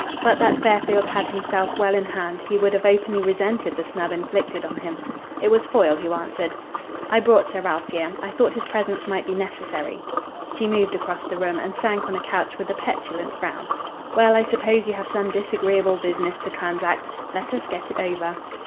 But that Fairfield had himself well in hand he would have openly resented the snub inflicted on him. It was Foyle who answered. "I brought Sir Ralph here. I thought his presence might be necessary." She moved across the room, and sank on a couch with a petulant frown. "Well, I suppose you have some disagreeable business to transact. Let us get it over."